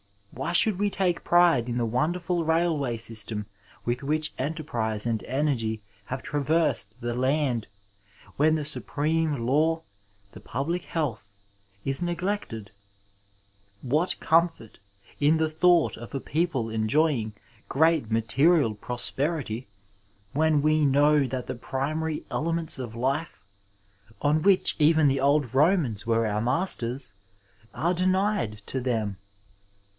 Why should we take pride in the won derful railway system with which enterprise and energy have traversed the land, when the supreme law, the public 467 Digitized by Google UNITY, PEACE, AND CONCORD health, is neglected ? What comfort in the thoi^b^ of a peiople enjoying great material prosperity when we know that the primary elements of life (on which even the old Romans were our masters) are denied to them?